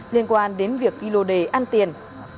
liên quan đến việc ghi lô đề ăn tiền